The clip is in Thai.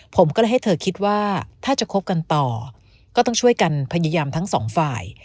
ผมก็เลยให้เธอคิดว่าถ้าจะคบกันต่อก็ต้องช่วยกันพยายามทั้งสองฝ่าย